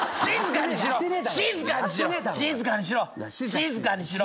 静かにしろ！